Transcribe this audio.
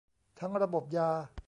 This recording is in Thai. ทั้งระบบยา